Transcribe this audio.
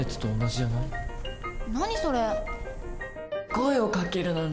声をかけるなんて。